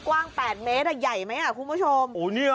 กว้าง๘เมตรเย้ยไหมหนะคุณผู้ชม